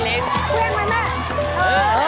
เล็งไว้แม่